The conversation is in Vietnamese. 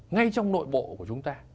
ngay trong nội bộ của chúng ta